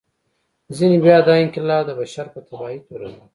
ځینې بیا دا انقلاب د بشر په تباهي تورنوي.